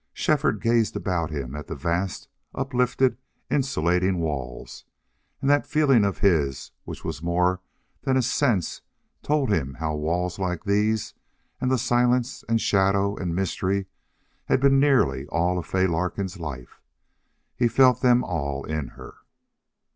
Shefford gazed about him at the vast, uplifted, insulating walls, and that feeling of his which was more than a sense told him how walls like these and the silence and shadow and mystery had been nearly all of Fay Larkin's life. He felt them all in her.